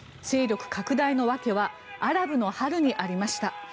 勢力拡大の訳はアラブの春にありました。